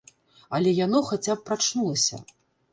Але яно хаця б прачнулася.